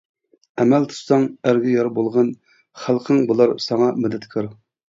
ئەمەل تۇتساڭ ئەلگە يار بولغىن، خەلقىڭ بۇلار ساڭا مەدەتكار.